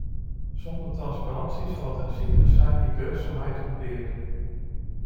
Zonder transparantie zal het een cyclus zijn die deugdzaamheid ontbeert.